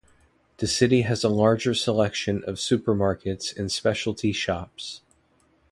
The city has a larger selection of supermarkets and specialty shops.